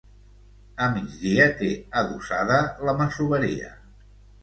A migdia té adossada la masoveria.